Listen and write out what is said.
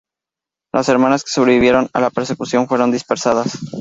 Las Hermanas que sobrevivieron a la persecución fueron dispersadas.